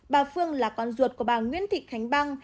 bà phương là con ruột của bà nguyễn thị khánh băng